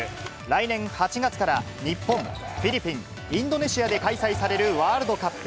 来年８月から、日本、フィリピン、インドネシアで開催されるワールドカップ。